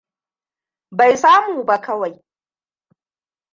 Bai sa mu ba kawai.